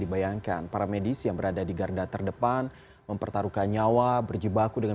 dibayangkan para medis yang berada di garda terdepan mempertaruhkan nyawa berjibaku dengan